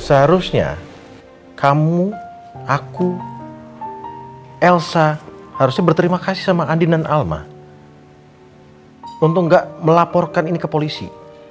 seharusnya kamu aku elsa harusnya berterima kasih sama andin dan alma untuk gak melaporkan ini ke polisi